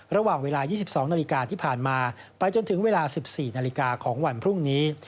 ระหว่างเวลา๒๒นาฬิกาที่ผ่านมาไปจนถึงเวลา๑๔นาฬิกาของวันพรุ่งนี้